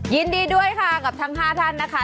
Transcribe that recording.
ยินดีด้วยค่ะกับทั้ง๕ท่านนะคะ